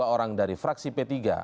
dua orang dari fraksi p tiga